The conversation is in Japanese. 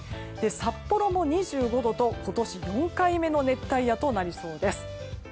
札幌も２５度と今年４回目の熱帯夜となりそうです。